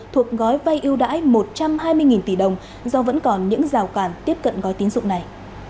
thuộc gói vay ưu đãi một trăm hai mươi tỷ đồng do vẫn còn những rào cản tiếp cận gói tín dụng này